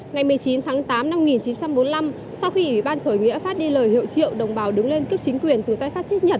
ngày một mươi chín tháng tám năm một nghìn chín trăm bốn mươi năm sau khi ủy ban khởi nghĩa phát đi lời hiệu triệu đồng bào đứng lên cướp chính quyền từ tây pháp xích nhật